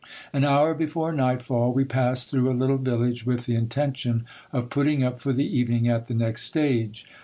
An hour before night fall we passed :hrough a little village with the intention of putting up for the evening at the lext stage.